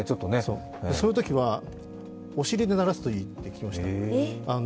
そういうときは、お尻で鳴らすといいと聞きました。